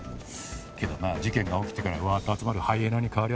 けどな事件が起きてからワーッと集まるハイエナに変わりはねえだろ。